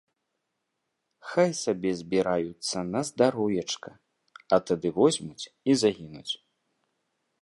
Хай сабе збіраюцца на здароўечка, а тады возьмуць і загінуць.